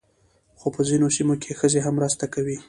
خو په ځینو سیمو کې ښځې هم مرسته کوي.